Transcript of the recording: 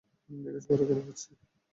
জিজ্ঞেস কর কেন কাঁদছে।